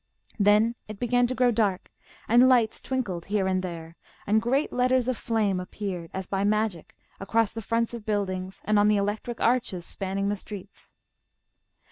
Then it began to grow dark, and lights twinkled here and there, and great letters of flame appeared as by magic across the fronts of buildings, and on the electric arches spanning the streets.